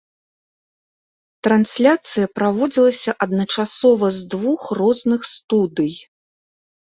Трансляцыя праводзілася адначасова з двух розных студый.